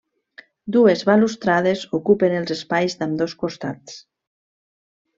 Dues balustrades ocupen els espais d'ambdós costats.